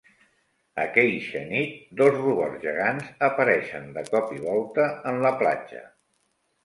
Aqueixa nit, dos robots gegants apareixen de cop i volta en la platja.